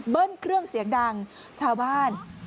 เครื่องเสียงดังชาวบ้าน